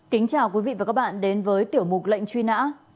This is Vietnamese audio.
kính chào quý vị và các bạn đến với tiểu mục lệnh truy nã